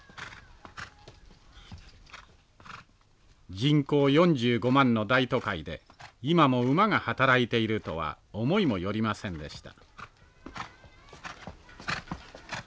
人口４５万の大都会で今も馬が働いているとは思いも寄りませんでした。